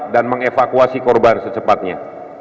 dan mengevakuasi korban secepatnya